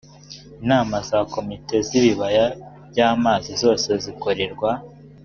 inama za komite z ibibaya by amazi zose zikorerwa